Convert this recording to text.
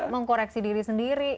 mengkoreksi diri sendiri